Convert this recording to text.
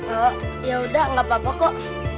oh ya udah gapapa kok